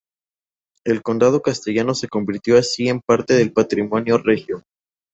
El condado castellano se convirtió así en parte del patrimonio regio.